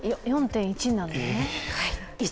４．１なのね